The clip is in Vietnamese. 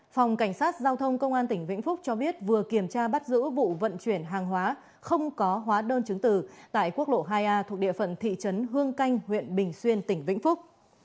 phòng cảnh sát giao thông công an tỉnh vĩnh phúc cho biết vừa kiểm tra bắt giữ vụ vận chuyển hàng hóa không có hóa đơn chứng từ tại quốc lộ hai a thuộc địa phận thị trấn hương canh huyện bình xuyên tỉnh vĩnh phúc